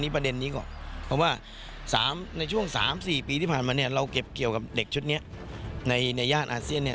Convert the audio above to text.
ประเด็นนี้ก่อนเพราะว่าในช่วง๓๔ปีที่ผ่านมาเนี่ยเราเก็บเกี่ยวกับเด็กชุดนี้ในย่านอาเซียนเนี่ย